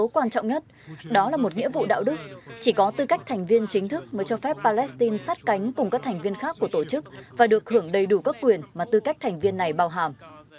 điều quan trọng nhất đó là một nghĩa vụ đạo đức chỉ có tư cách thành viên chính thức mới cho phép palestine sát cánh cùng các thành viên khác của tổ chức và được hưởng đầy đủ các quyền mà tư cách thành viên này bảo hàm